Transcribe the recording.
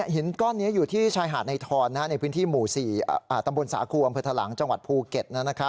หินก้อนนี้อยู่ที่ชายหาดในทอนในพื้นที่หมู่๔ตำบลสาคูอำเภอทะลังจังหวัดภูเก็ต